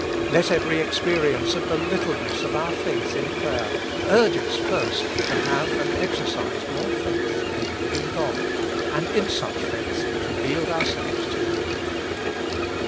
Let every experience of the littleness of our faith in prayer urge us first to have and exer cise more faith in the Hving God, and in such faith to yield ourselves to Him.